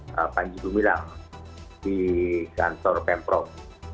pak pandigi milang di kantor pemprov